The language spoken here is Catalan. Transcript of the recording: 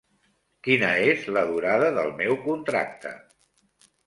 Quina és la durada del meu contracte?